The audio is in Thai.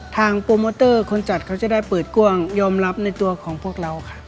โปรโมเตอร์คนจัดเขาจะได้เปิดกว้างยอมรับในตัวของพวกเราค่ะ